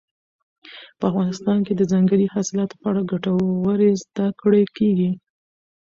په افغانستان کې د ځنګلي حاصلاتو په اړه ګټورې زده کړې کېږي.